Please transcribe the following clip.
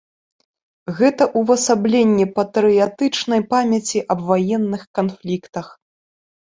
Гэта ўвасабленне патрыятычнай памяці аб ваенных канфліктах.